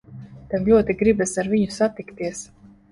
Tev ļoti gribas ar viņu satikties.